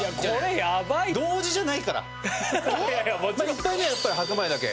１杯目はやっぱり白米だけ。